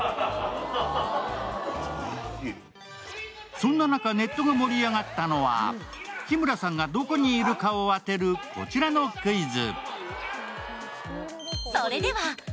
そんな中、ネットが盛り上がったのは日村さんがどこにいるかを当てるこちらのクイズ。